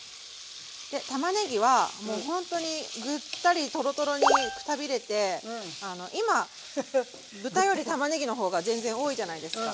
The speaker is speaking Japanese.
でたまねぎはもうほんとにグッタリトロトロにくたびれてあの今豚よりたまねぎの方が全然多いじゃないですか。